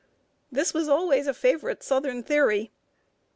This was always a favorite southern theory.